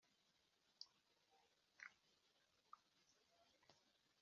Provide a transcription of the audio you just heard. bitewe nibyo batumvikanaho babaye babisubitse